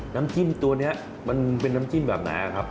น้ำจิ้มตัวนี้มันเป็นน้ำจิ้มแบบไหนครับ